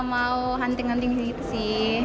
mau hunting hunting gitu sih